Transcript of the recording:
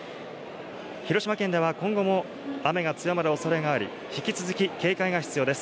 広島県では今後も雨が強まる恐れがあり、引き続き警戒が必要です。